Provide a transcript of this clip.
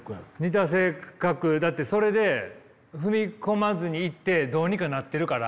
だってそれで踏み込まずにいってどうにかなってるから。